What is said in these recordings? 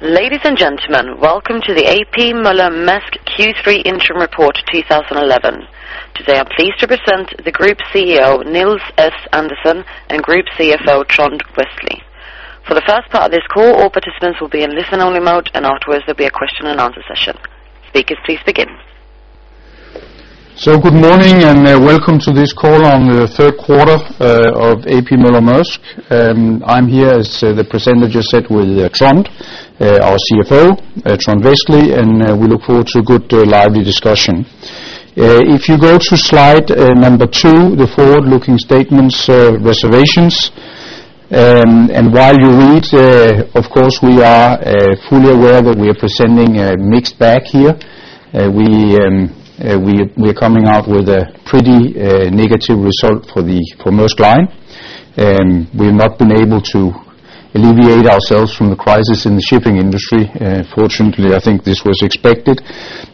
Ladies and gentlemen, welcome to the A.P. Møller - Mærsk Q3 interim report 2011. Today, I'm pleased to present the Group CEO, Nils S. Andersen, and Group CFO, Trond Westlie. For the first part of this call, all participants will be in listen-only mode, and afterwards, there'll be a question-and-answer session. Speakers, please begin. Good morning, and welcome to this call on the third quarter of A.P. Møller - Mærsk. I'm here, as the presenter just said, with Trond Westlie, our CFO, and we look forward to a good, lively discussion. If you go to slide number 2, the forward-looking statements, reservations. While you read, of course, we are fully aware that we are presenting a mixed bag here. We're coming out with a pretty negative result for Maersk Line. We've not been able to alleviate ourselves from the crisis in the shipping industry. Fortunately, I think this was expected,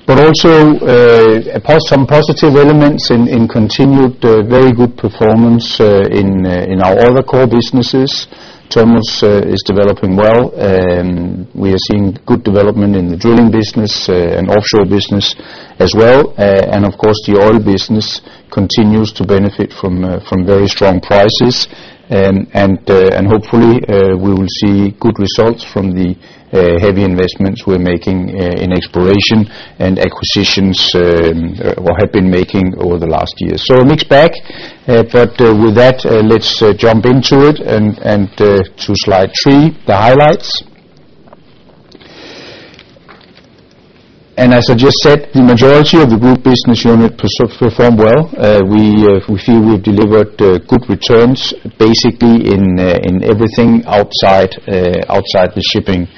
but also some positive elements in continued very good performance in our other core businesses. Terminals is developing well, and we are seeing good development in the drilling business and offshore business as well. Of course, the oil business continues to benefit from very strong prices. Hopefully, we will see good results from the heavy investments we're making in exploration and acquisitions, or have been making over the last year. A mixed bag. With that, let's jump into it and to slide three, the highlights. As I just said, the majority of the group business unit performed well. We feel we've delivered good returns, basically in everything outside the shipping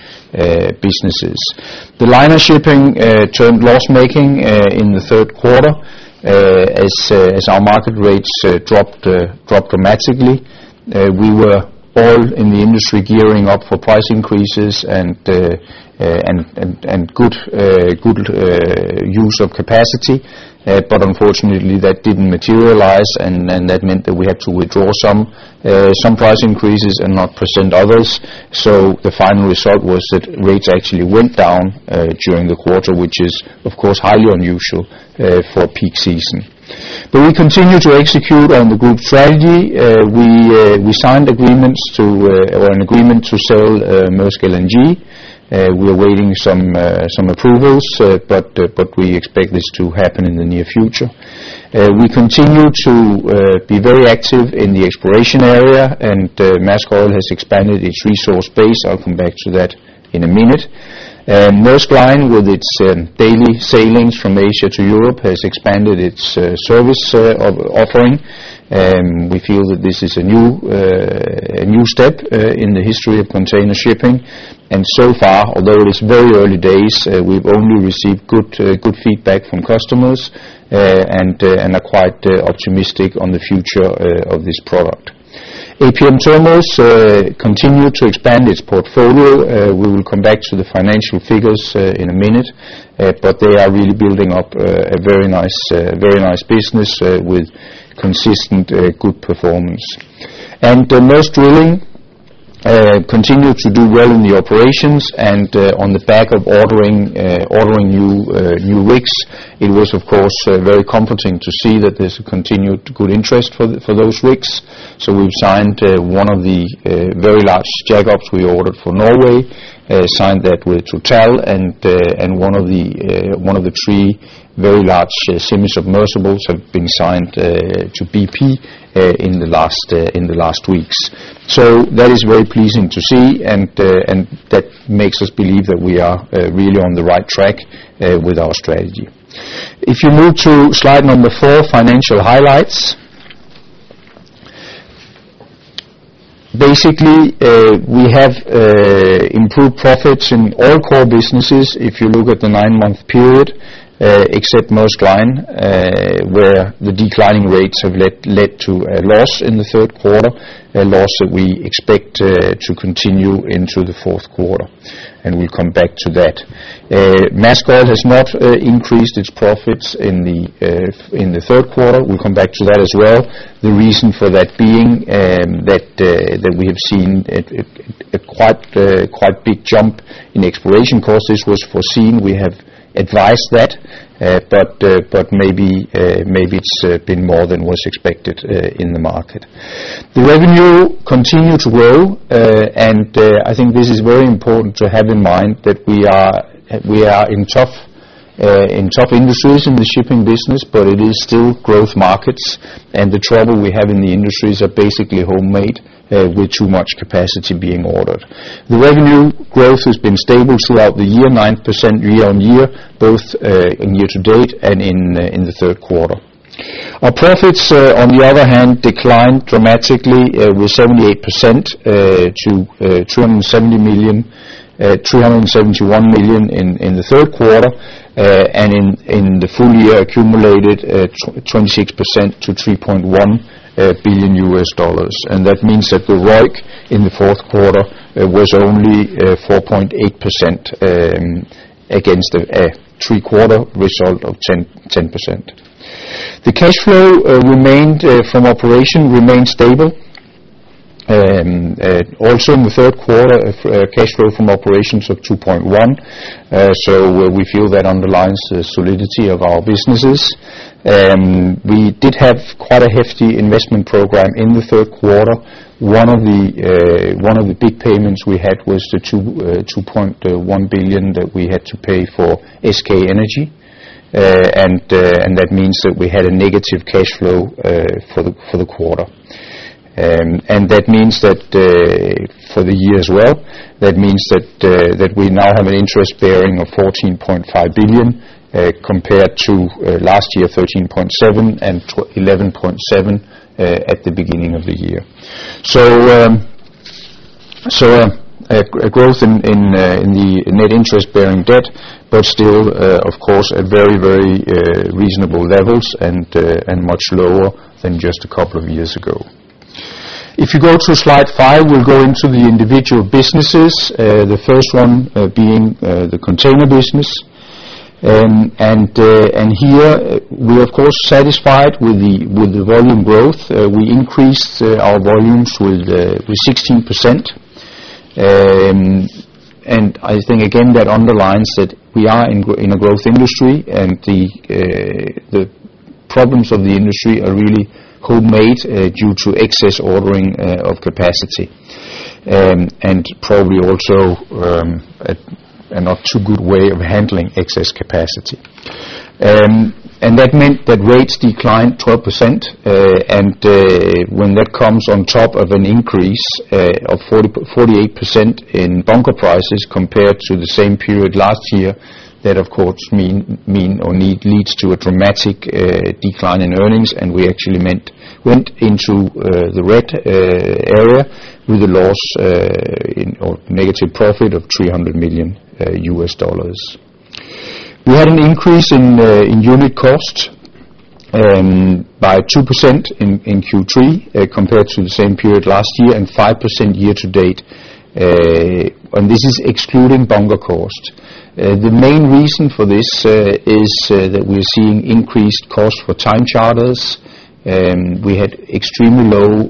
businesses. The liner shipping turned loss-making in the third quarter, as our market rates dropped dramatically. We were all in the industry gearing up for price increases and good use of capacity. Unfortunately, that didn't materialize, and that meant that we had to withdraw some price increases and not present others. The final result was that rates actually went down during the quarter, which is, of course, highly unusual for peak season. We continue to execute on the group strategy. We signed an agreement to sell Maersk LNG. We're awaiting some approvals, but we expect this to happen in the near future. We continue to be very active in the exploration area, and Maersk Oil has expanded its resource base. I'll come back to that in a minute. Maersk Line, with its daily sailings from Asia to Europe, has expanded its service offering. We feel that this is a new step in the history of container shipping. Far, although it is very early days, we've only received good feedback from customers and are quite optimistic on the future of this product. APM Terminals continue to expand its portfolio. We will come back to the financial figures in a minute, but they are really building up a very nice business with consistent good performance. Maersk Drilling continued to do well in the operations and on the back of ordering new rigs. It was, of course, very comforting to see that there's a continued good interest for those rigs. We've signed one of the very large jack-ups we ordered for Norway, signed that with Total, and one of the three very large semi-submersibles have been signed to BP in the last weeks. That is very pleasing to see, and that makes us believe that we are really on the right track with our strategy. If you move to slide number four, financial highlights. Basically, we have improved profits in all core businesses, if you look at the nine-month period, except Maersk Line, where the declining rates have led to a loss in the third quarter, a loss that we expect to continue into the fourth quarter. We'll come back to that. Maersk Oil has not increased its profits in the third quarter. We'll come back to that as well. The reason for that being, that we have seen a quite big jump in exploration costs. This was foreseen. We have advised that, but maybe it's been more than was expected in the market. The revenue continued to grow, and I think this is very important to have in mind that we are in tough industries in the shipping business, but it is still growth markets. The trouble we have in the industries are basically homemade with too much capacity being ordered. The revenue growth has been stable throughout the year, 9% year-on-year, both in year to date and in the third quarter. Our profits, on the other hand, declined dramatically with 78% to $371 million in the third quarter, and in the full year accumulated 26% to $3.1 billion. That means that the ROIC in the fourth quarter was only 4.8%, against a three-quarter result of 10%. The cash flow from operations remained stable. Also in the third quarter, cash flow from operations of $2.1 billion, so we feel that underlines the solidity of our businesses. We did have quite a hefty investment program in the third quarter. One of the big payments we had was the $2.1 billion that we had to pay for SK Energy. That means that we had a negative cash flow for the quarter. That means that for the year as well, that means that we now have an interest-bearing of $14.5 billion, compared to last year, $13.7 billion, and eleven point seven, $11.7 billion, at the beginning of the year. A growth in the net interest-bearing debt, but still, of course, at very reasonable levels and much lower than just a couple of years ago. If you go to slide 5, we'll go into the individual businesses, the first one being the container business. Here we're of course satisfied with the volume growth. We increased our volumes with 16%. I think again, that underlines that we are in a growth industry and the problems of the industry are really homemade due to excess ordering of capacity. Probably also a not too good way of handling excess capacity. That meant that rates declined 12% and when that comes on top of an increase of 48% in bunker prices compared to the same period last year, that of course leads to a dramatic decline in earnings. We actually went into the red area with a loss or negative profit of $300 million. We had an increase in unit cost by 2% in Q3 compared to the same period last year, and 5% year to date. This is excluding bunker cost. The main reason for this is that we're seeing increased cost for time charters. We had extremely low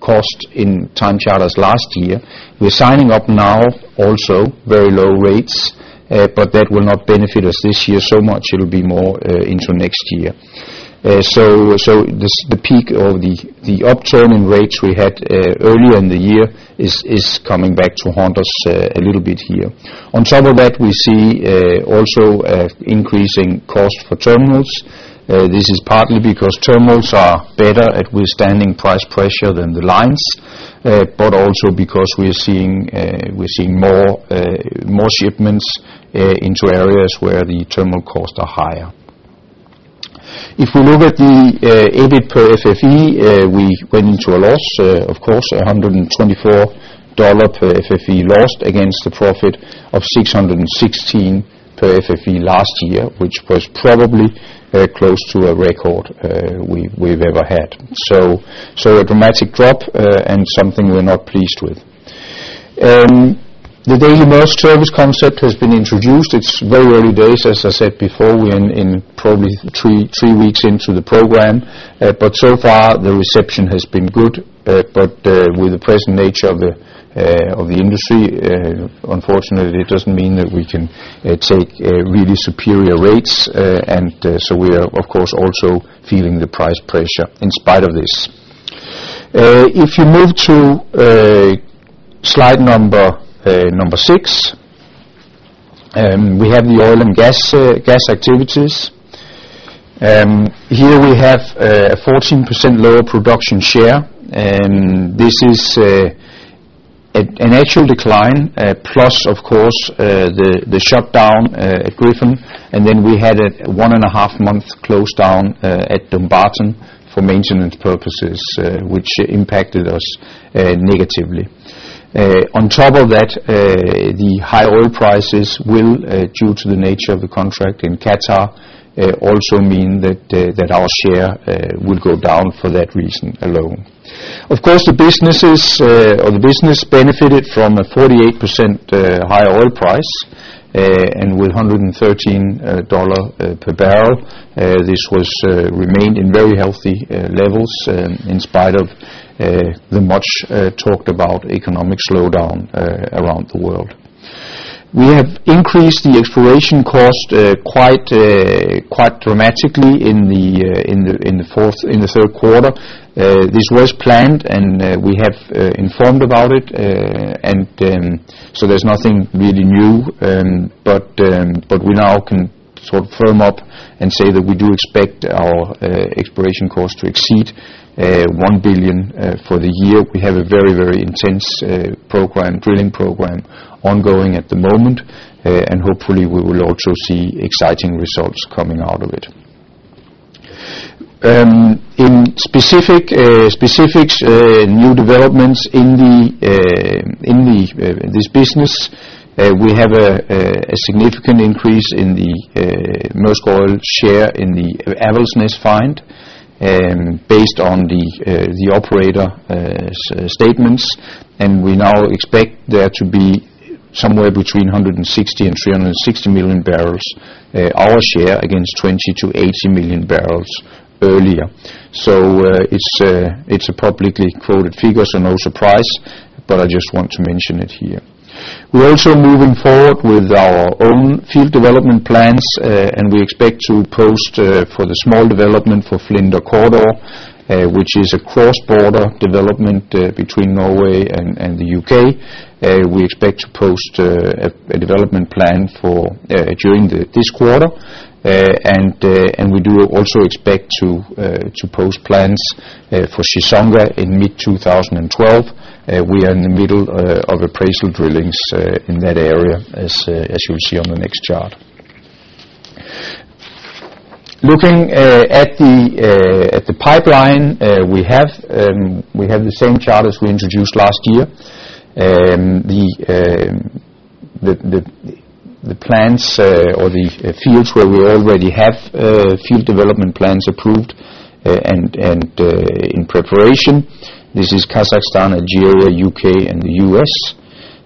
cost in time charters last year. We're signing up now also very low rates, but that will not benefit us this year so much. It'll be more into next year. The peak or the upturn in rates we had earlier in the year is coming back to haunt us a little bit here. On top of that, we see also increasing cost for terminals. This is partly because terminals are better at withstanding price pressure than the lines, but also because we're seeing more shipments into areas where the terminal costs are higher. If we look at the EBIT per FFE, we went into a loss, of course, of $124 per FFE against the profit of $616 per FFE last year, which was probably close to a record we've ever had. A dramatic drop and something we're not pleased with. The Daily Maersk service concept has been introduced. It's very early days, as I said before, we're in probably three weeks into the program. So far the reception has been good. With the present nature of the industry, unfortunately, it doesn't mean that we can take really superior rates. We are of course also feeling the price pressure in spite of this. If you move to slide number six, we have the oil and gas activities. Here we have a 14% lower production share. This is an actual decline, plus of course the shutdown at Griffin. We had a 1.5-month closedown at Dumbarton for maintenance purposes, which impacted us negatively. On top of that, the high oil prices will, due to the nature of the contract in Qatar, also mean that our share will go down for that reason alone. Of course, the businesses or the business benefited from a 48% higher oil price, and with $113 per barrel, this remained in very healthy levels, in spite of the much talked about economic slowdown around the world. We have increased the exploration cost quite dramatically in the third quarter. This was planned, and we have informed about it. There's nothing really new, but we now can sort of firm up and say that we do expect our exploration cost to exceed $1 billion for the year. We have a very intense program, drilling program ongoing at the moment, and hopefully we will also see exciting results coming out of it. In specifics, new developments in this business, we have a significant increase in the Maersk Oil share in the Avaldsnes find, based on the operator's statements. We now expect there to be somewhere between 160 and 360 million barrels our share against 20 million-80 million barrels earlier. It's publicly quoted figures so no surprise, but I just want to mention it here. We're also moving forward with our own field development plans, and we expect to post for the small development for Flyndre Cawdor, which is a cross-border development between Norway and the U.K. We expect to post a development plan for during this quarter. We do also expect to post plans for Chissonga in mid-2012. We are in the middle of appraisal drillings in that area as you'll see on the next chart. Looking at the pipeline, we have the same chart as we introduced last year. The plans or the fields where we already have field development plans approved and in preparation. This is Kazakhstan, Algeria, U.K., and the U.S.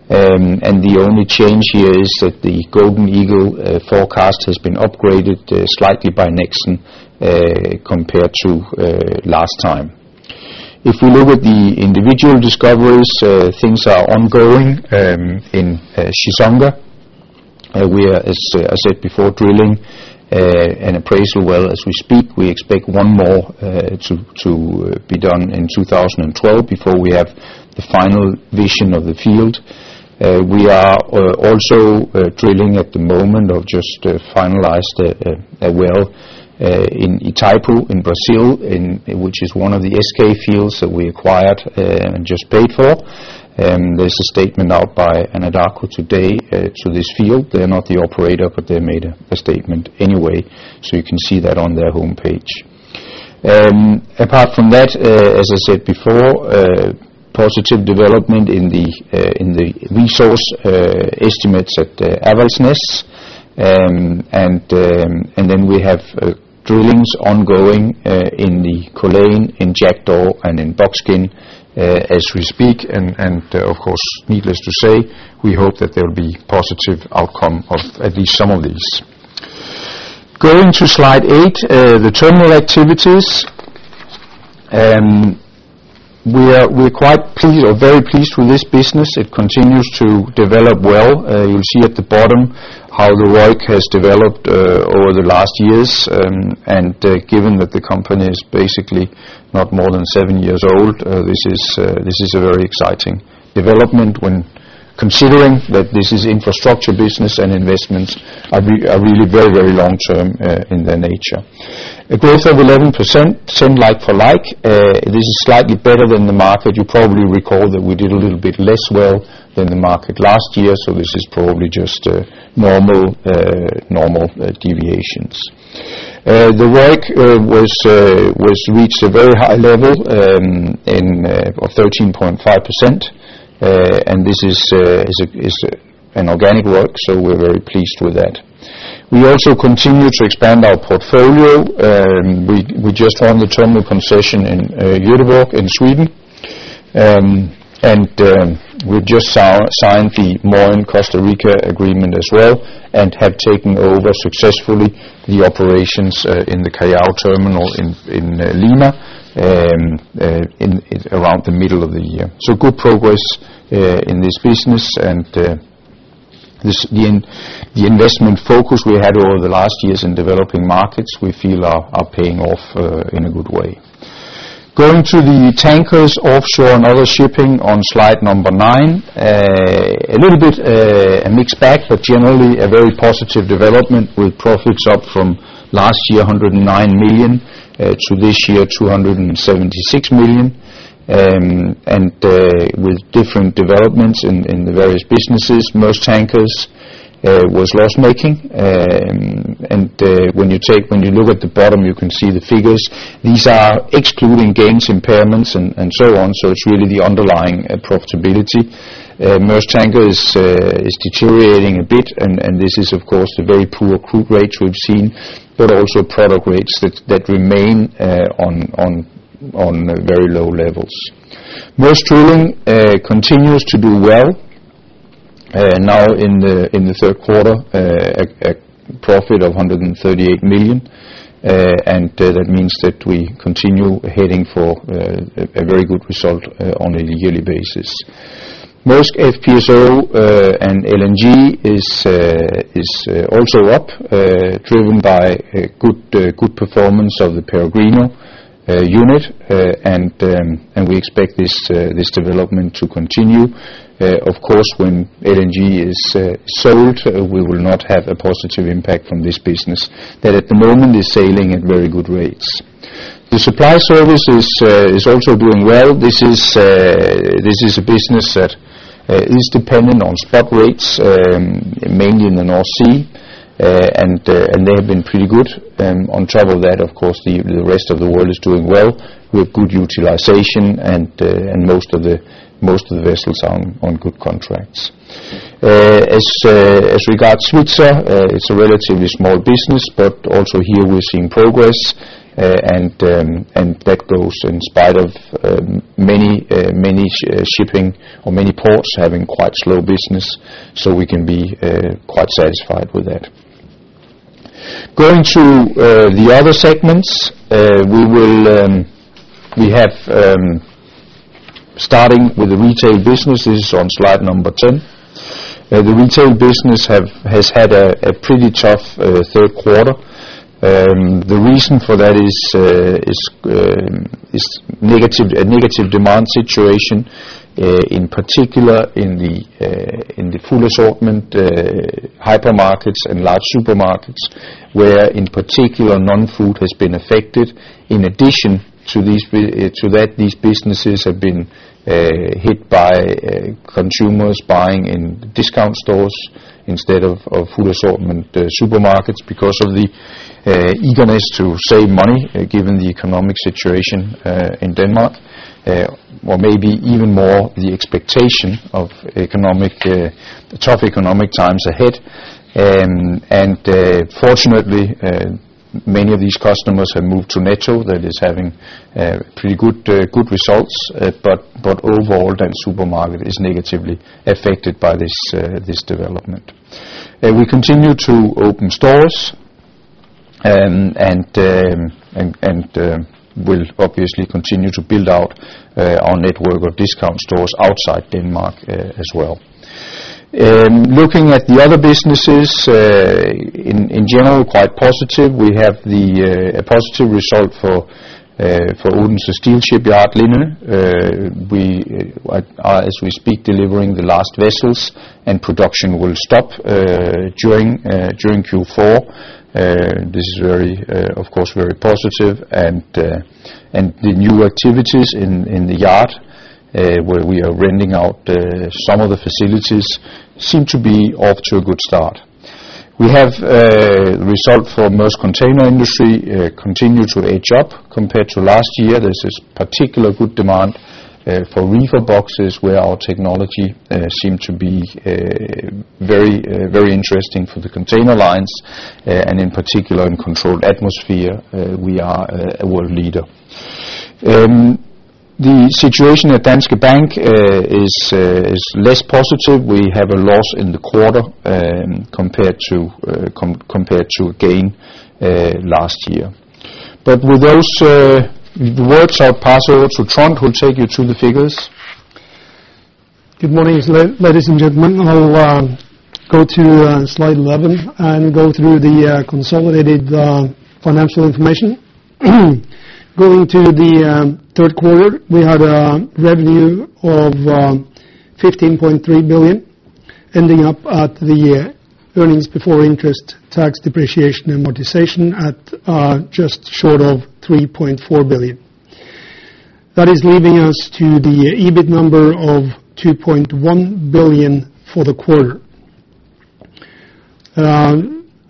The only change here is that the Golden Eagle forecast has been upgraded slightly by Nexen compared to last time. If we look at the individual discoveries, things are ongoing in Chissonga. We are, as I said before, drilling an appraisal well as we speak. We expect one more to be done in 2012 before we have the final version of the field. We are also drilling at the moment or just finalized a well in Itaipu in Brazil, in which is one of the SK fields that we acquired and just paid for. There's a statement out by Anadarko today to this field. They're not the operator, but they made a statement anyway, so you can see that on their homepage. Apart from that, as I said before, positive development in the resource estimates at Avaldsnes. Then we have drillings ongoing in the Corallina, in Jackdaw, and in Bokskogen as we speak. Of course, needless to say, we hope that there will be positive outcome of at least some of these. Going to slide 8, the terminal activities. We're quite pleased or very pleased with this business. It continues to develop well. You'll see at the bottom how the ROIC has developed over the last years. Given that the company is basically not more than seven years old, this is a very exciting development when considering that this is infrastructure business and investments are really very, very long-term in their nature. A growth of 11%, same like for like. This is slightly better than the market. You probably recall that we did a little bit less well than the market last year. This is probably just normal deviations. The ROIC reached a very high level of 13.5%. This is an organic ROIC, so we're very pleased with that. We also continue to expand our portfolio. We just won the terminal concession in Göteborg in Sweden. We just signed the Moín Costa Rica agreement as well and have taken over successfully the operations in the Callao terminal in Lima in around the middle of the year. Good progress in this business. This investment focus we had over the last years in developing markets we feel are paying off in a good way. Going to the tankers offshore and other shipping on slide number nine. A little bit of a mixed bag, but generally a very positive development with profits up from last year, $109 million, to this year, $276 million. And with different developments in the various businesses. Maersk Tankers was loss-making. When you look at the bottom, you can see the figures. These are excluding gains, impairments, and so on. So it's really the underlying profitability. Maersk Tankers is deteriorating a bit and this is of course the very poor crude rates we've seen, but also product rates that remain on very low levels. Maersk Drilling continues to do well. Now, in the third quarter, a profit of $138 million, and that means that we continue heading for a very good result on a yearly basis. Maersk FPSO and LNG is also up, driven by a good performance of the Peregrino unit, and we expect this development to continue. Of course, when LNG is sold, we will not have a positive impact from this business. At the moment, it's sailing at very good rates. The supply services is also doing well. This is a business that is dependent on spot rates, mainly in the North Sea, and they have been pretty good. On top of that, of course, the rest of the world is doing well with good utilization and most of the vessels are on good contracts. As regards Svitzer, it's a relatively small business, but also here we're seeing progress, and that goes in spite of many shipping or many ports having quite slow business, so we can be quite satisfied with that. Going to the other segments, we have starting with the retail businesses on slide number 10. The retail business has had a pretty tough third quarter. The reason for that is a negative demand situation. In particular in the full assortment hypermarkets and large supermarkets, where in particular non-food has been affected. In addition to that, these businesses have been hit by consumers buying in discount stores instead of full assortment supermarkets because of the eagerness to save money given the economic situation in Denmark. Or maybe even more the expectation of tough economic times ahead. Fortunately, many of these customers have moved to Netto, that is having pretty good results. Overall, then supermarket is negatively affected by this development. We continue to open stores and will obviously continue to build out our network of discount stores outside Denmark as well. Looking at the other businesses, in general, quite positive. We have the positive result for Odense Steel Shipyard, Lindø. We are, as we speak, delivering the last vessels and production will stop during Q4. This is very, of course, very positive. The new activities in the yard where we are renting out some of the facilities seem to be off to a good start. We have result for Maersk Container Industry continue to edge up compared to last year. There's particularly good demand for reefer boxes, where our technology seem to be very, very interesting for the container lines and in particular, in controlled atmosphere we are a world leader. The situation at Danske Bank is less positive. We have a loss in the quarter compared to gain last year. With those words, I'll pass over to Trond, who'll take you through the figures. Good morning, ladies and gentlemen. I'll go to slide 11 and go through the consolidated financial information. Going to the third quarter, we had a revenue of $15.3 billion, ending up at the earnings before interest, tax, depreciation, and amortization at just short of $3.4 billion. That is leading us to the EBIT number of $2.1 billion for the quarter.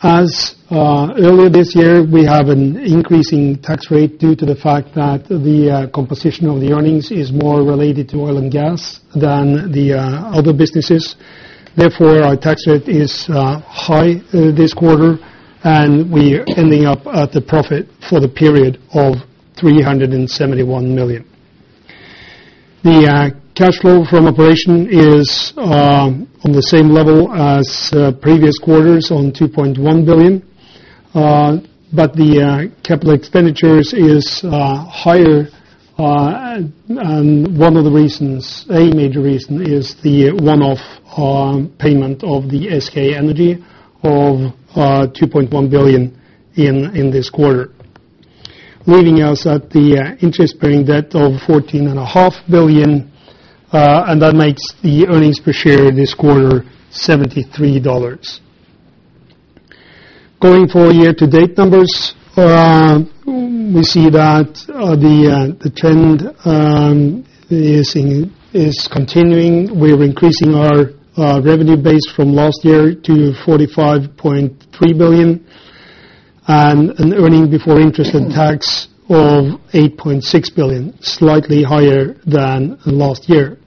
As earlier this year, we have an increasing tax rate due to the fact that the composition of the earnings is more related to oil and gas than the other businesses. Therefore, our tax rate is high this quarter, and we're ending up at a profit for the period of $371 million. Cash flow from operation is on the same level as previous quarters on $2.1 billion. But the capital expenditures is higher, and one of the reasons, a major reason, is the one-off payment of the SK Energy of $2.1 billion in this quarter. Leaving us at the interest-bearing debt of $14.5 billion, and that makes the earnings per share this quarter $73. Going for year-to-date numbers, we see that the trend is continuing. We're increasing our revenue base from last year to $45.3 billion, and an earning before interest and tax of $8.6 billion, slightly higher than last year.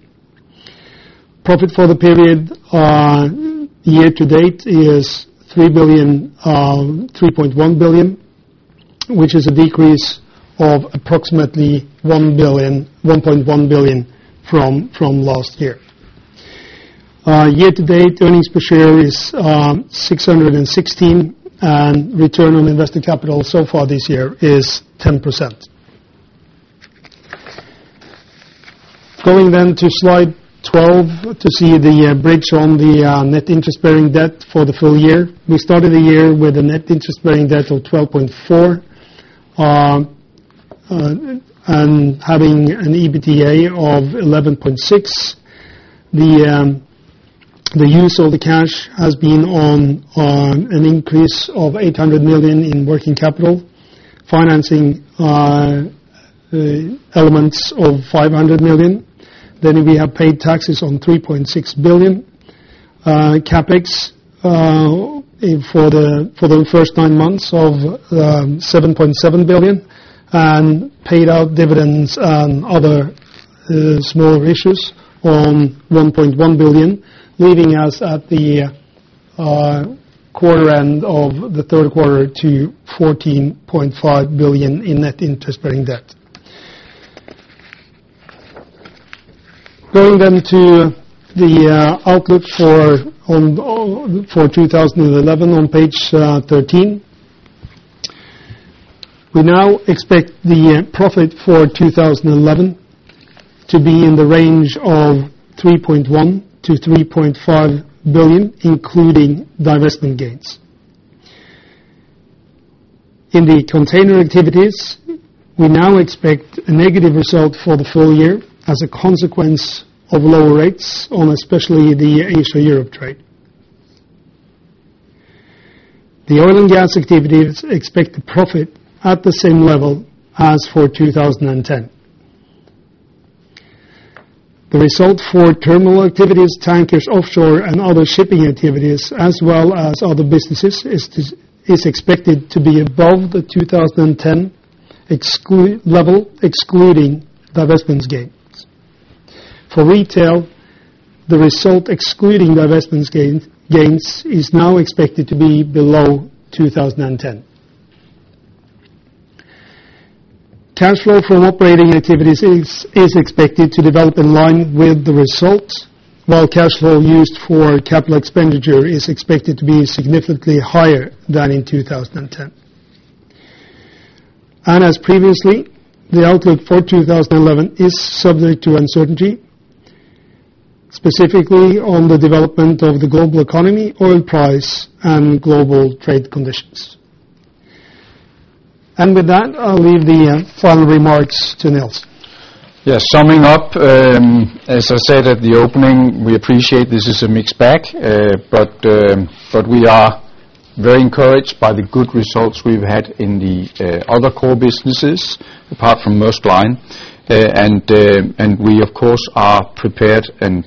Profit for the period, year to date is $3.1 billion, which is a decrease of approximately $1.1 billion from last year. Year to date, earnings per share is 616, and return on invested capital so far this year is 10%. Going to slide 12 to see the bridge on the net interest-bearing debt for the full year. We started the year with a net interest-bearing debt of $12.4 billion and having an EBITDA of $11.6 billion. The use of the cash has been on an increase of $800 million in working capital, financing elements of $500 million. We have paid taxes of $3.6 billion CapEx for the first nine months of $7.7 billion, and paid out dividends and other smaller issues of $1.1 billion, leaving us at the quarter end of the third quarter with $14.5 billion in net interest-bearing debt. Going to the outlook for 2011 on page 13. We now expect the profit for 2011 to be in the range of $3.1 billion-$3.5 billion, including divestment gains. In the container activities, we now expect a negative result for the full year as a consequence of lower rates on especially the Asia-Europe trade. The oil and gas activities expect a profit at the same level as for 2010. The result for terminal activities, tankers, offshore, and other shipping activities, as well as other businesses, is expected to be above the 2010 level, excluding divestments gains. For retail, the result excluding divestments gains is now expected to be below 2010. Cash flow from operating activities is expected to develop in line with the results, while cash flow used for capital expenditure is expected to be significantly higher than in 2010. As previously, the outlook for 2011 is subject to uncertainty, specifically on the development of the global economy, oil price, and global trade conditions. With that, I'll leave the final remarks to Nils. Yes, summing up, as I said at the opening, we appreciate this is a mixed bag. But we are very encouraged by the good results we've had in the other core businesses, apart from Maersk Line. We, of course, are prepared and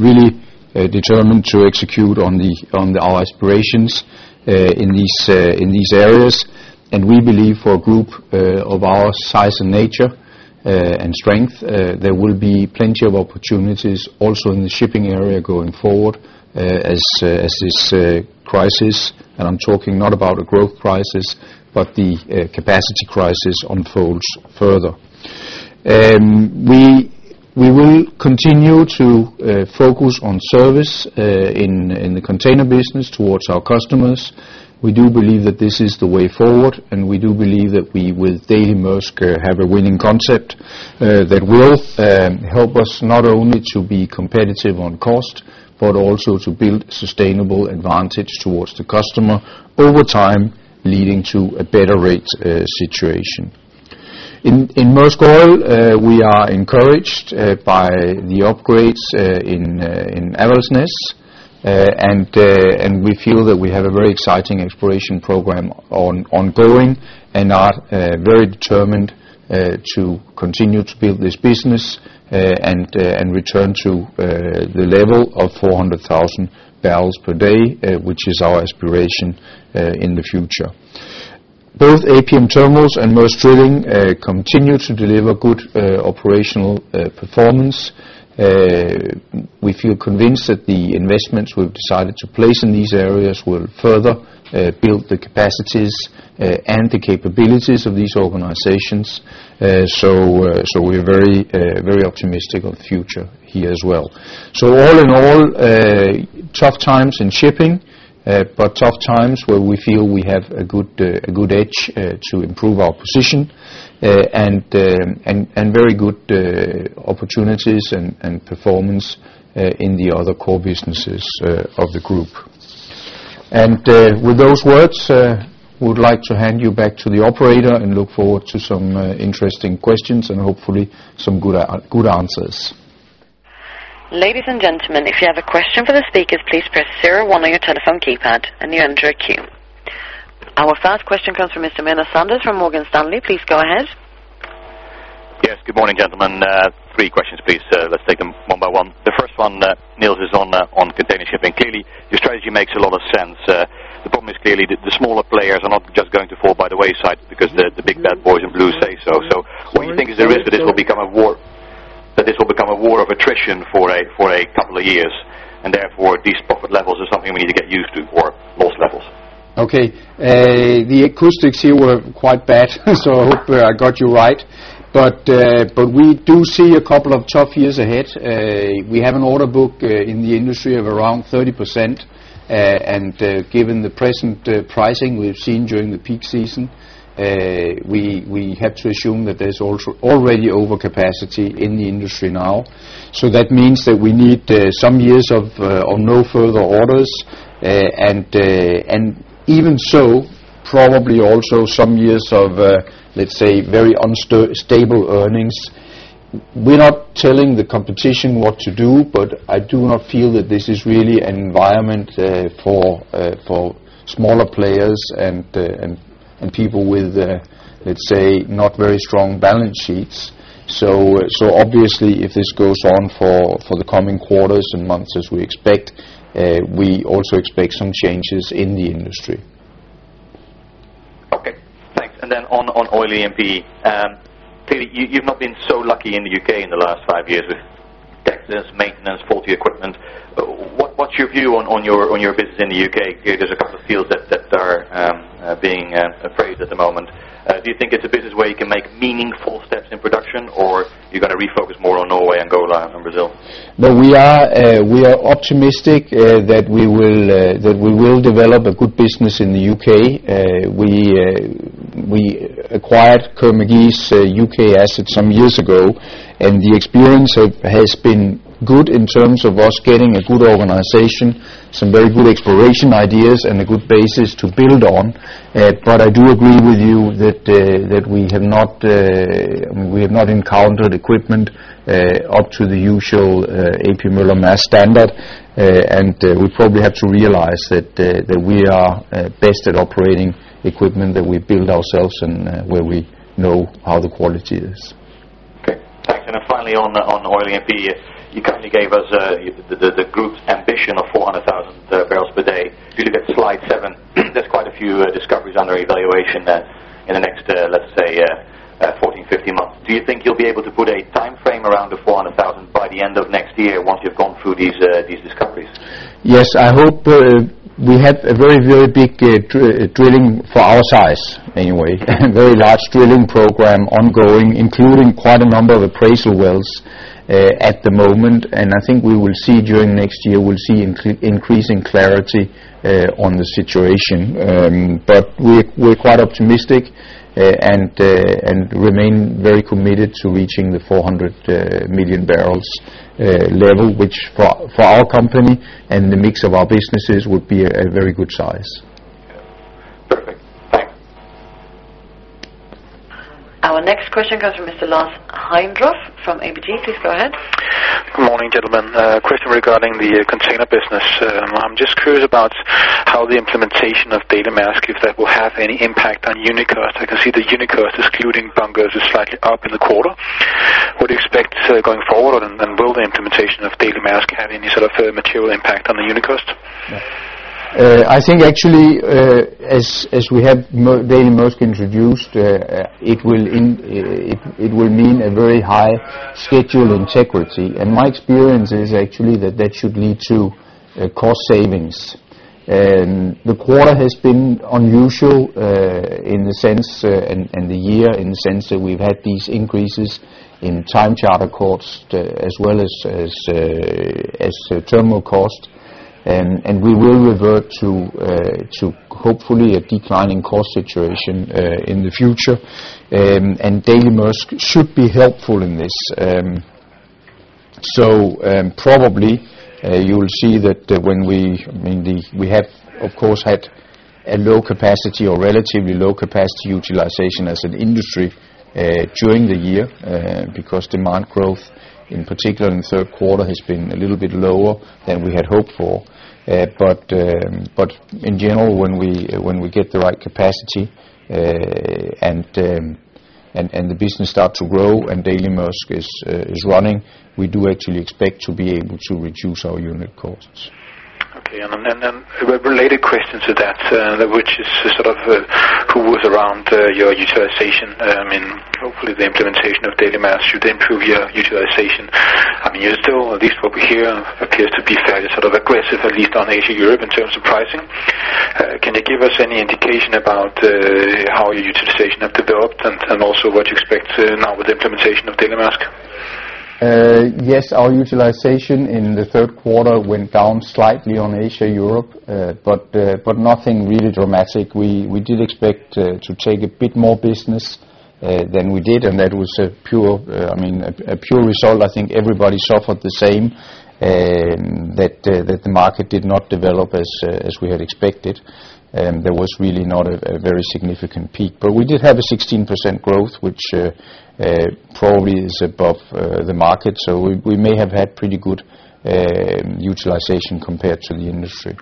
really determined to execute on our aspirations in these areas. We believe for a group of our size and nature and strength, there will be plenty of opportunities also in the shipping area going forward, as this crisis, and I'm talking not about a growth crisis, but the capacity crisis unfolds further. We will continue to focus on service in the container business towards our customers. We do believe that this is the way forward, and we do believe that we with Daily Maersk have a winning concept that will help us not only to be competitive on cost, but also to build sustainable advantage towards the customer over time, leading to a better rate situation. In Maersk Oil, we are encouraged by the upgrades in Avaldsnes. We feel that we have a very exciting exploration program ongoing and are very determined to continue to build this business and return to the level of 400,000 barrels per day, which is our aspiration in the future. Both APM Terminals and Maersk Drilling continue to deliver good operational performance. We feel convinced that the investments we've decided to place in these areas will further build the capacities and the capabilities of these organizations. So we're very optimistic of the future here as well. All in all, tough times in shipping, but tough times where we feel we have a good edge to improve our position, and very good opportunities and performance in the other core businesses of the group. With those words, would like to hand you back to the operator and look forward to some interesting questions and hopefully some good answers. Ladies and gentlemen, if you have a question for the speakers, please press zero one on your telephone keypad, and you enter a queue. Our first question comes from Mr. Miles Saunders from Morgan Stanley. Please go ahead. Yes. Good morning, gentlemen. Three questions, please. Let's take them one by one. The first one, Nils, is on container shipping. Clearly, your strategy makes a lot of sense. The problem is clearly the smaller players are not just going to fall by the wayside because the big bad boys in blue say so. What you think is there is that this will become a war, that this will become a war of attrition for a couple of years, and therefore these profit levels are something we need to get used to or loss levels. Okay. The acoustics here were quite bad, so I hope I got you right. We do see a couple of tough years ahead. We have an order book in the industry of around 30%. Given the present pricing we've seen during the peak season, we have to assume that there's also already overcapacity in the industry now. That means that we need some years of no further orders, and even so, probably also some years of, let's say, very unstable earnings. We're not telling the competition what to do, but I do not feel that this is really an environment for smaller players and people with, let's say, not very strong balance sheets. Obviously, if this goes on for the coming quarters and months as we expect, we also expect some changes in the industry. Okay. Thanks. On oil E&P, clearly you've not been so lucky in the U.K. in the last five years with extensive maintenance, faulty equipment. What's your view on your business in the U.K.? There's a couple of fields that are being appraised at the moment. Do you think it's a business where you can make meaningful steps in production, or you're gonna refocus more on Norway and Angola and Brazil? We are optimistic that we will develop a good business in the U.K. We acquired Kerr-McGee's U.K. assets some years ago, and the experience has been good in terms of us getting a good organization, some very good exploration ideas, and a good basis to build on. I do agree with you that we have not encountered equipment up to the usual A.P. Møller-Mærsk standard. We probably have to realize that we are best at operating equipment that we build ourselves and where we know how the quality is. Okay. Thanks. Finally, on oil and gas, you kind of gave us the group's ambition of 400,000 barrels per day. If you look at slide 7, there's quite a few discoveries under evaluation there in the next, let's say, 14, 15 months. Do you think you'll be able to put a timeframe around the 400,000 by the end of next year once you've gone through these discoveries? Yes. I hope we have a very, very big drilling for our size anyway, a very large drilling program ongoing, including quite a number of appraisal wells, at the moment. I think we will see during next year, we'll see increasing clarity, on the situation. But we're quite optimistic, and remain very committed to reaching the 400 million barrels level, which for our company and the mix of our businesses would be a very good size. Perfect. Thanks. Our next question comes from Mr. Lars Heindorff from ABG. Please go ahead. Good morning, gentlemen. A question regarding the container business. I'm just curious about how the implementation of Daily Maersk, if that will have any impact on unit cost? I can see the unit cost excluding bunkers is slightly up in the quarter. What do you expect going forward, and will the implementation of Daily Maersk have any sort of material impact on the unit cost? I think actually, as we have Daily Maersk introduced, it will mean a very high schedule integrity. My experience is actually that should lead to cost savings. The quarter has been unusual in the sense and the year in the sense that we've had these increases in time charter costs as well as terminal costs. We will revert to hopefully a declining cost situation in the future. Daily Maersk should be helpful in this. Probably, you will see that when we have of course had a low capacity or relatively low capacity utilization as an industry during the year because demand growth, in particular in the third quarter, has been a little bit lower than we had hoped for. In general, when we get the right capacity and the business starts to grow and Daily Maersk is running, we do actually expect to be able to reduce our unit costs. Okay. A related question to that, which is sort of hovers around your utilization. Hopefully the implementation of Daily Maersk should improve your utilization. I mean, you're still, at least what we hear appears to be fairly sort of aggressive, at least on Asia-Europe in terms of pricing. Can you give us any indication about how your utilization have developed and also what you expect now with the implementation of Daily Maersk? Yes. Our utilization in the third quarter went down slightly on Asia-Europe, but nothing really dramatic. We did expect to take a bit more business than we did, and that was a pure result, I mean. I think everybody suffered the same, that the market did not develop as we had expected. There was really not a very significant peak. We did have a 16% growth, which probably is above the market. We may have had pretty good utilization compared to the industry.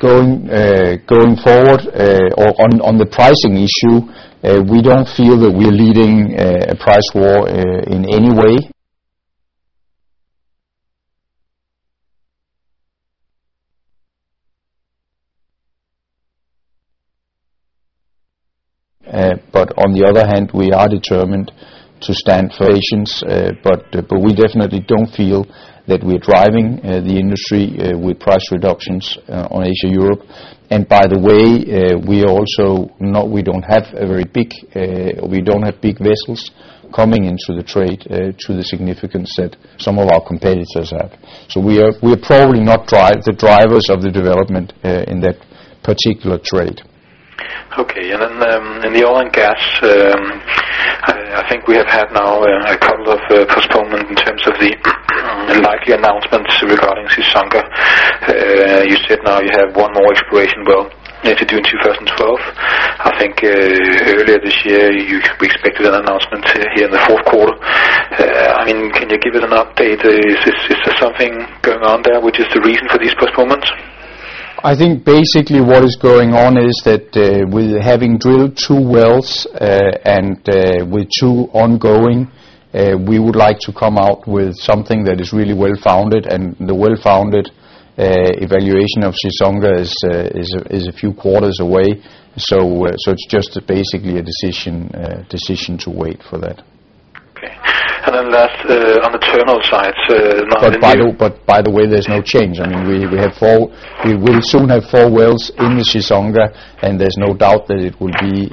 Going forward, or on the pricing issue, we don't feel that we're leading a price war in any way. On the other hand, we are determined to stand for Asians. We definitely don't feel that we're driving the industry with price reductions on Asia-Europe. By the way, we also know we don't have big vessels coming into the trade to the significance that some of our competitors have. We are probably not the drivers of the development in that particular trade. Okay. In the oil and gas, I think we have had now a couple of postponement in terms of the likely announcements regarding Chissonga. You said now you have one more exploration well left to do in 2012. I think earlier this year, we expected an announcement here in the fourth quarter. I mean, can you give us an update? Is there something going on there which is the reason for this postponement? I think basically what is going on is that, we're having drilled two wells, and with two ongoing, we would like to come out with something that is really well-founded, and the well-founded evaluation of Chissonga is a few quarters away. It's just basically a decision to wait for that. Okay. Last, on the terminal side, now that you By the way, there's no change. I mean, we have four; we will soon have four wells in the Chissonga, and there's no doubt that it will be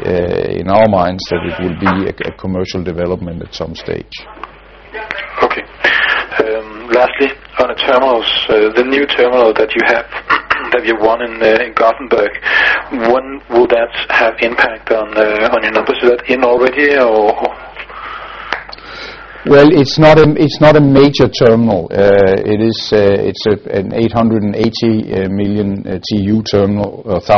in our minds that it will be a commercial development at some stage. Lastly, on the terminals. The new terminal that you have, that you won in Gothenburg. When will that have impact on your numbers? Is that in already or? Well, it's not a major terminal. It is an 880,000 TEU terminal. It's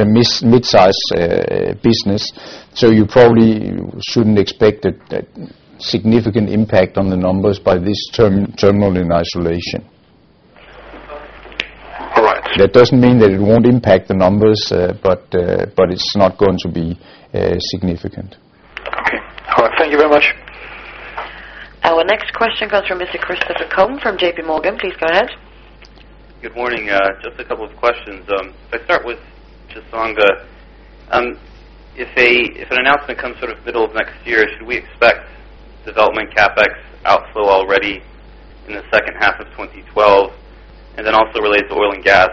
a midsize business. You probably shouldn't expect a significant impact on the numbers by this terminal in isolation. All right. That doesn't mean that it won't impact the numbers, but it's not going to be significant. Okay. All right. Thank you very much. Our next question comes from Mr. Christopher Combe from JP Morgan, please go ahead. Good morning. Just a couple of questions. If I start with Chissonga. If an announcement comes sort of middle of next year, should we expect development CapEx outflow already in the second half of 2012? Then also related to oil and gas,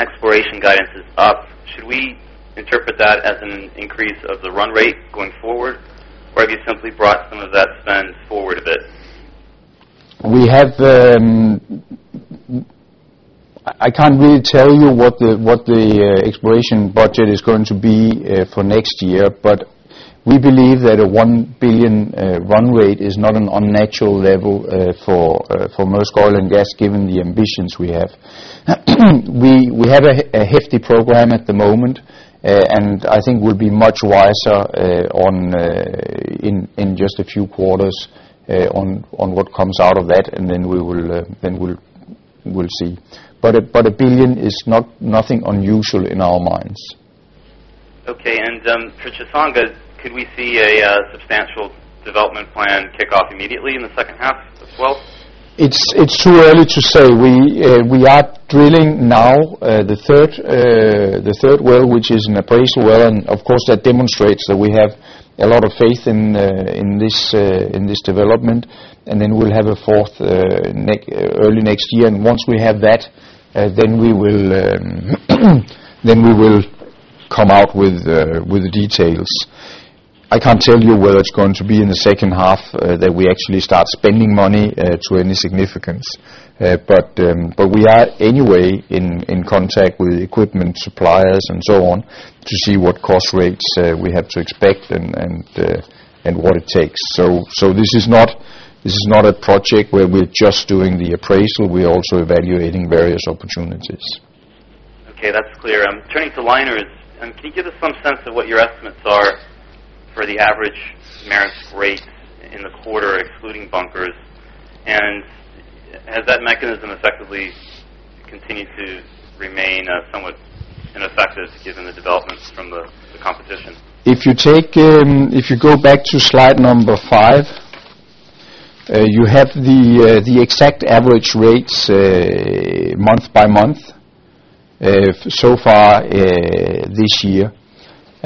exploration guidance is up. Should we interpret that as an increase of the run rate going forward? Or have you simply brought some of that spend forward a bit? We have. I can't really tell you what the exploration budget is going to be for next year. We believe that a $1 billion run rate is not an unnatural level for Maersk Oil and Gas, given the ambitions we have. We have a hefty program at the moment. I think we'll be much wiser in just a few quarters on what comes out of that, and then we'll see. A $1 billion is not nothing unusual in our minds. Okay. For Chissonga, could we see a substantial development plan kick off immediately in the second half of 2012? It's too early to say. We are drilling now the third well, which is an appraisal well. Of course, that demonstrates that we have a lot of faith in this development. We'll have a fourth early next year. Once we have that, we will come out with the details. I can't tell you whether it's going to be in the second half that we actually start spending money to any significance. We are anyway in contact with equipment suppliers and so on, to see what cost rates we have to expect and what it takes. This is not a project where we're just doing the appraisal. We're also evaluating various opportunities. Okay. That's clear. Turning to liners. Can you give us some sense of what your estimates are for the average Maersk rate in the quarter, excluding bunkers? Has that mechanism effectively continued to remain somewhat ineffective given the developments from the competition? If you go back to slide number 5, you have the exact average rates, month by month, so far, this year.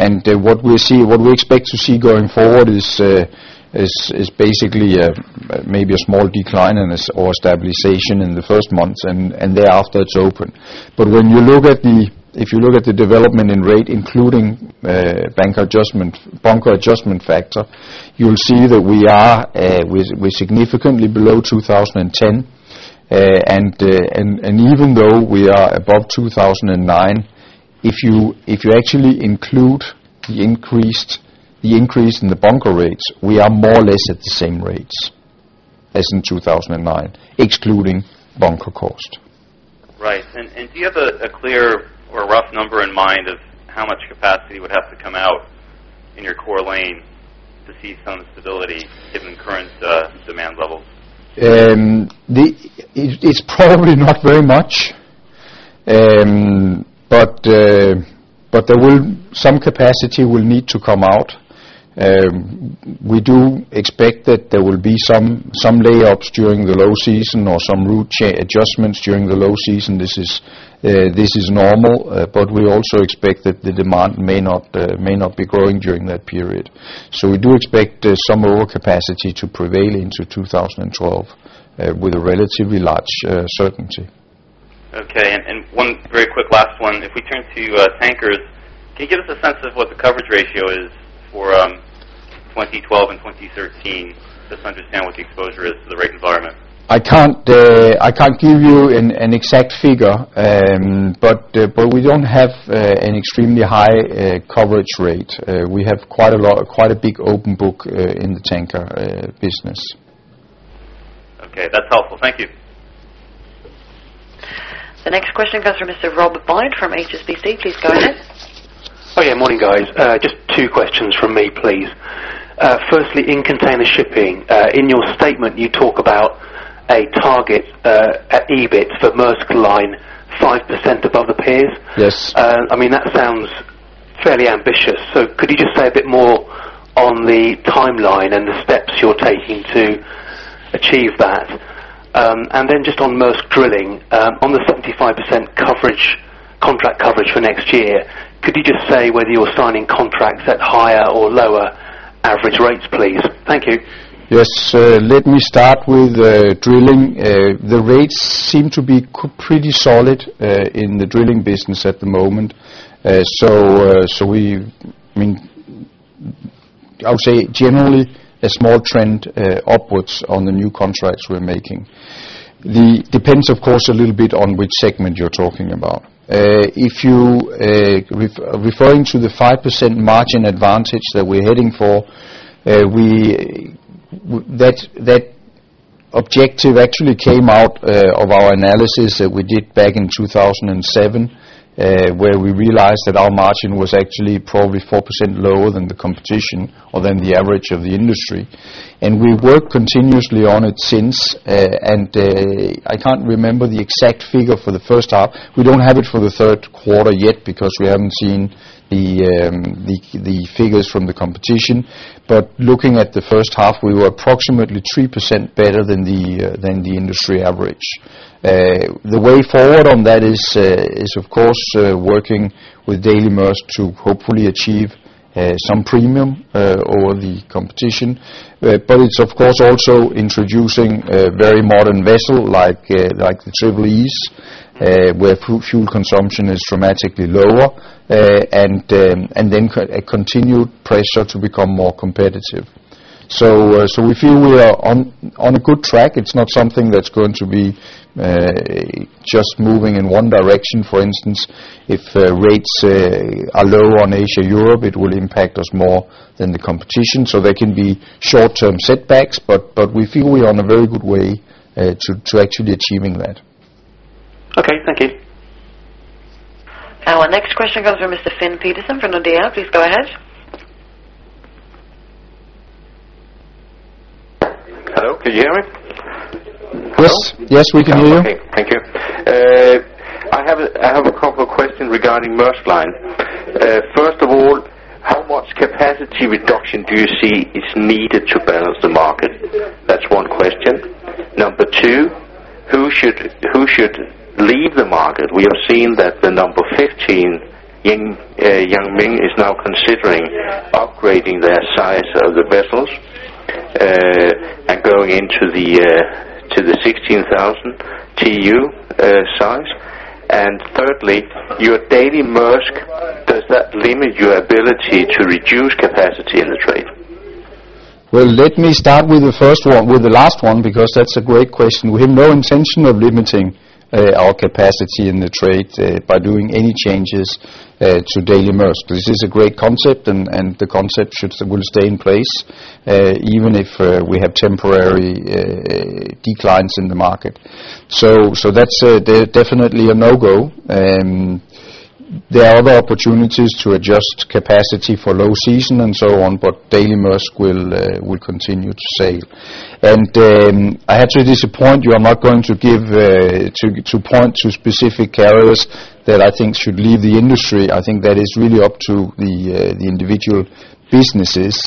What we'll see, what we expect to see going forward is basically maybe a small decline or stabilization in the first months, and thereafter it's open. If you look at the development in rate including bunker adjustment factor, you'll see that we're significantly below 2010. Even though we are above 2009, if you actually include the increase in the bunker rates, we are more or less at the same rates as in 2009, excluding bunker cost. Right. Do you have a clear or rough number in mind of how much capacity would have to come out in your core lane to see some stability given current demand levels? It's probably not very much. Some capacity will need to come out. We do expect that there will be some layups during the low season or some route adjustments during the low season. This is normal. We also expect that the demand may not be growing during that period. We do expect some lower capacity to prevail into 2012 with a relatively large certainty. Okay. One very quick last one. If we turn to tankers. Can you give us a sense of what the coverage ratio is for 2012 and 2013? Just to understand what the exposure is to the rate environment. I can't give you an exact figure. We don't have an extremely high coverage rate. We have quite a lot, quite a big open book in the tanker business. Okay. That's helpful. Thank you. The next question comes from Mr. Robert Gillard from HSBC, please go ahead. Oh, yeah. Morning, guys. Just two questions from me, please. Firstly, in container shipping. In your statement, you talk about a target EBIT for Maersk Line 5% above the peers. Yes. I mean, that sounds fairly ambitious. Could you just say a bit more on the timeline and the steps you're taking to achieve that? Just on Maersk Drilling. On the 75% coverage, contract coverage for next year, could you just say whether you're signing contracts at higher or lower average rates, please? Thank you. Yes. Let me start with drilling. The rates seem to be pretty solid in the drilling business at the moment. I mean, I would say generally a small trend upwards on the new contracts we're making. It depends, of course, a little bit on which segment you're talking about. If you're referring to the 5% margin advantage that we're heading for, that objective actually came out of our analysis that we did back in 2007, where we realized that our margin was actually probably 4% lower than the competition or than the average of the industry. We worked continuously on it since. I can't remember the exact figure for the first half. We don't have it for the third quarter yet because we haven't seen the figures from the competition. Looking at the first half, we were approximately 3% better than the industry average. The way forward on that is of course working with Daily Maersk to hopefully achieve some premium over the competition. It's of course also introducing a very modern vessel like the Triple-E's where fuel consumption is dramatically lower and then a continued pressure to become more competitive. We feel we are on a good track. It's not something that's going to be just moving in one direction. For instance, if rates are low on Asia-Europe, it will impact us more than the competition. There can be short-term setbacks, but we feel we are on a very good way to actually achieving that. Okay. Thank you. Our next question comes from Mr. Finn Petersen from Nordea. Please go ahead. Hello, can you hear me? Yes. Yes, we can hear you. Okay. Thank you. I have a couple of questions regarding Maersk Line. First of all, how much capacity reduction do you see is needed to balance the market? That's one question. Number two, who should leave the market? We have seen that the number 15 in Yang Ming is now considering upgrading their size of the vessels and going to the 16,000 TEU size. Thirdly, your Daily Maersk, does that limit your ability to reduce capacity in the trade? Well, let me start with the last one, because that's a great question. We have no intention of limiting our capacity in the trade by doing any changes to Daily Maersk. This is a great concept, and the concept will stay in place, even if we have temporary declines in the market. That's definitely a no-go. There are other opportunities to adjust capacity for low season and so on, but Daily Maersk will continue to sail. I have to disappoint you. I'm not going to point to specific carriers that I think should leave the industry. I think that is really up to the individual businesses.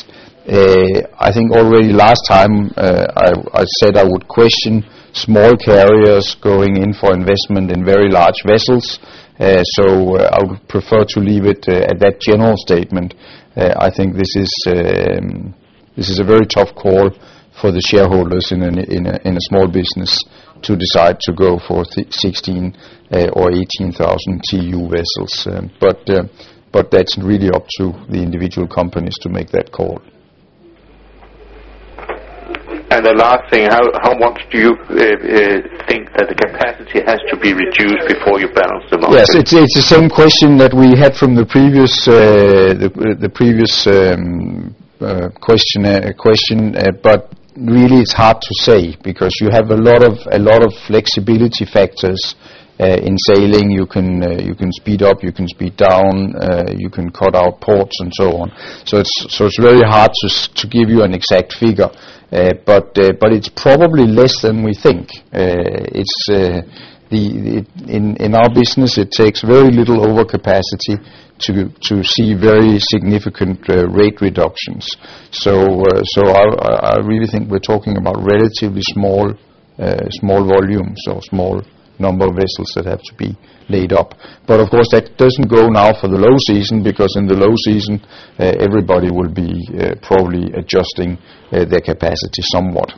I think already last time I said I would question small carriers going in for investment in very large vessels. I would prefer to leave it at that general statement. I think this is a very tough call for the shareholders in a small business to decide to go for 16,000 or 18,000 TEU vessels. That's really up to the individual companies to make that call. The last thing, how much do you think that the capacity has to be reduced before you balance the market? Yes. It's the same question that we had from the previous question. Really it's hard to say because you have a lot of flexibility factors in sailing. You can speed up, you can slow down, you can cut out ports and so on. It's very hard to give you an exact figure. It's probably less than we think. In our business, it takes very little overcapacity to see very significant rate reductions. I really think we're talking about relatively small volumes or small number of vessels that have to be laid up. Of course, that doesn't go now for the low season, because in the low season, everybody will be probably adjusting their capacity somewhat.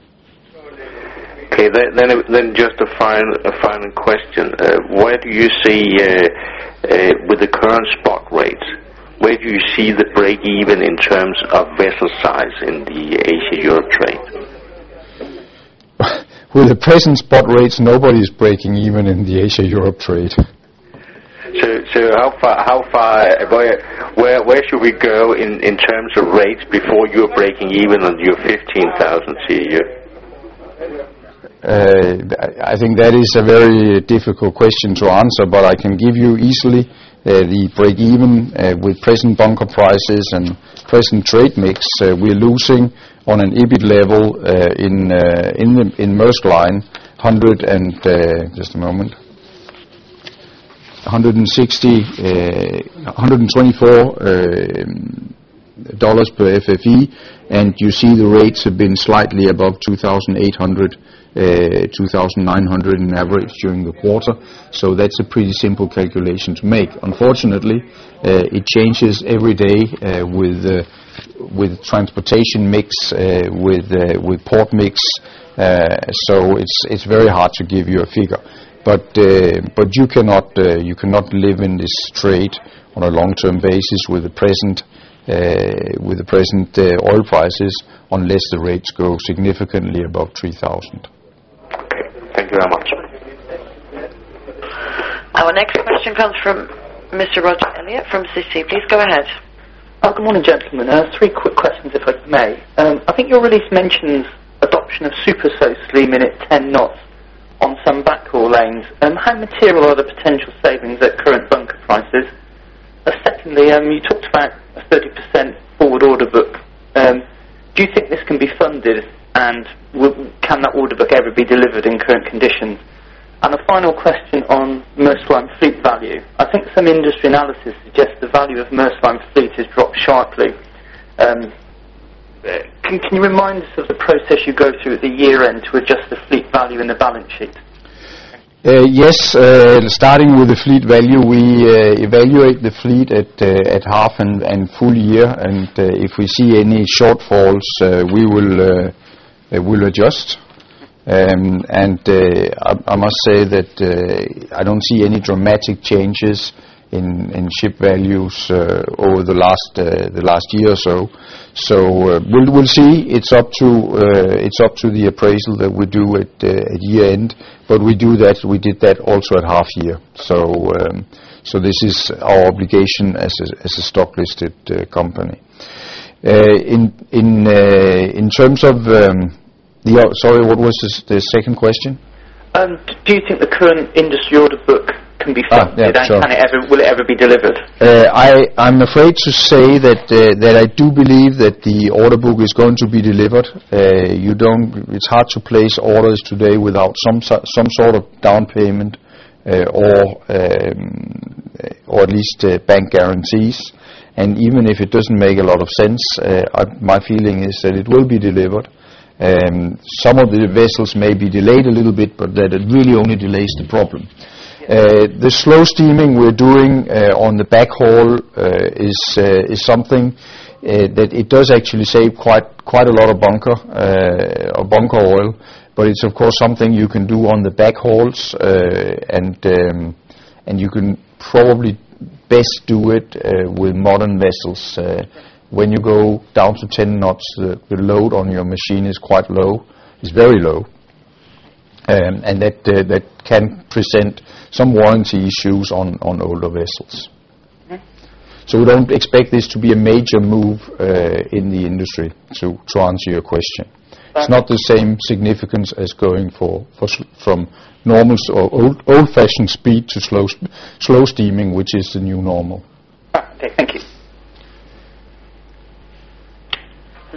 Okay. Just a final question. Where do you see, with the current spot rates, the breakeven in terms of vessel size in the Asia-Europe trade? With the present spot rates, nobody's breaking even in the Asia-Europe trade. Where should we go in terms of rates before you're breaking even on your 15,000 TEU? I think that is a very difficult question to answer, but I can give you easily the breakeven with present bunker prices and present trade mix. We're losing on an EBIT level in Maersk Line $124 per FFE. You see the rates have been slightly above $2,800, $2,900 on average during the quarter. That's a pretty simple calculation to make. Unfortunately, it changes every day with the transportation mix with the port mix. It's very hard to give you a figure. You cannot live in this trade on a long-term basis with the present oil prices, unless the rates go significantly above $3,000. Okay. Thank you very much. Our next question comes from Mr. Roger Elliott from Citi. Please go ahead. Good morning, gentlemen. I have three quick questions, if I may. I think your release mentions adoption of super slow steaming at 10 knots on some backhaul lanes. How material are the potential savings at current bunker prices? Secondly, you talked about a 30% forward order book. Do you think this can be funded, and can that order book ever be delivered in current conditions? A final question on Maersk Line fleet value. I think some industry analysis suggests the value of Maersk Line fleet has dropped sharply. Can you remind us of the process you go through at the year-end to adjust the fleet value in the balance sheet? Yes. Starting with the fleet value, we evaluate the fleet at half and full year. If we see any shortfalls, we'll adjust. I must say that I don't see any dramatic changes in ship values over the last year or so. We'll see. It's up to the appraisal that we do at year-end. We did that also at half year. This is our obligation as a stock-listed company. In terms of the. Sorry, what was the second question? Do you think the current industry order book can be funded? Yeah, sure. Can it ever, will it ever be delivered? I'm afraid to say that I do believe that the order book is going to be delivered. It's hard to place orders today without some sort of down payment or at least bank guarantees. Even if it doesn't make a lot of sense, my feeling is that it will be delivered. Some of the vessels may be delayed a little bit, but that it really only delays the problem. The slow steaming we're doing on the backhaul is something that it does actually save quite a lot of bunker oil. It's, of course, something you can do on the backhauls. You can probably best do it with modern vessels. When you go down to 10 knots, the load on your machine is quite low. It's very low. That can present some warranty issues on older vessels. Okay. We don't expect this to be a major move in the industry to answer your question. Right. It's not the same significance as going from normal, old-fashioned speed to slow steaming, which is the new normal. Okay. Thank you.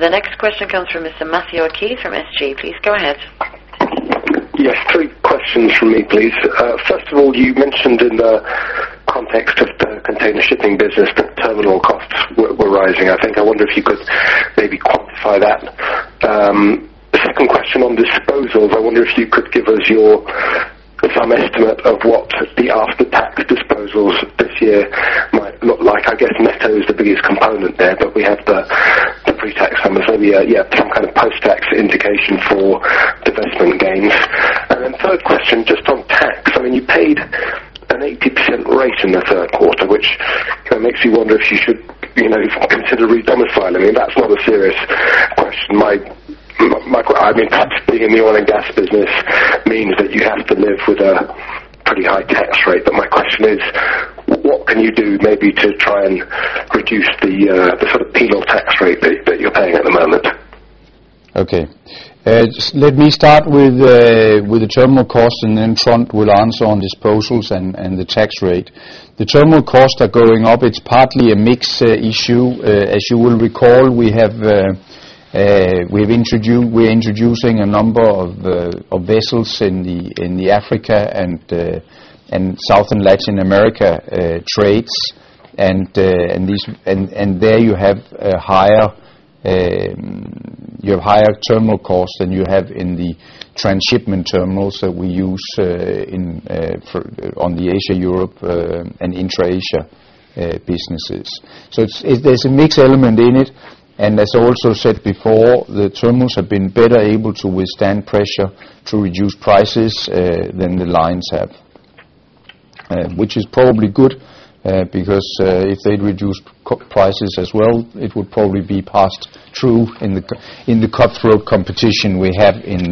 The next question comes from Mr. Matthew O'Keeffe from SG. Please go ahead. Yes, three questions from me, please. First of all, you mentioned in the context of the container shipping business that terminal costs were rising, I think. I wonder if you could maybe quantify that. Second question on disposals. I wonder if you could give us some estimate of what the after-tax disposals this year might look like. I guess Netto is the biggest component there, but we have the pre-tax numbers. Maybe you have some kind of post-tax indication for divestment gains. Third question, just on tax. I mean, you paid an 80% rate in the third quarter, which kind of makes you wonder if you should, you know, consider redomiciling. I mean, that's not a serious question. My. I mean, perhaps being in the oil and gas business means that you have to live with a pretty high tax rate. My question is: What can you do maybe to try and reduce the sort of penal tax rate that you're paying at the moment? Okay. Let me start with the terminal costs, and then Trond will answer on disposals and the tax rate. The terminal costs are going up. It's partly a mix issue. As you will recall, we're introducing a number of vessels in the Africa and South and Latin America trades. In these, there you have higher terminal costs than you have in the transshipment terminals that we use in the Asia-Europe and intra-Asia businesses. There's a mix element in it. As I also said before, the terminals have been better able to withstand pressure to reduce prices than the lines have. Which is probably good, because if they'd reduced prices as well, it would probably be passed through in the cutthroat competition we have in